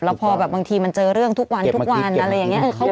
แล้วพอแบบบางทีมันเจอเรื่องทุกวันทุกวันอะไรอย่างนี้